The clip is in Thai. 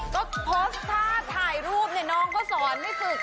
ก็โพสตาร์ถ่ายรูปนี่น้องเขาสอนไม่สุด